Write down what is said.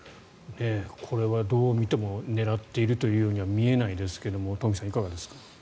これはどう見ても狙っているというようには見えないですけれども東輝さん、いかがですか。